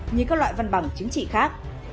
như các loại văn bằng chứng chỉ khác